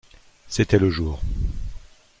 C’était le jour.